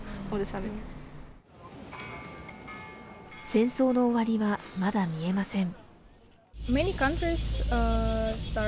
戦争の終わりはまだ見えません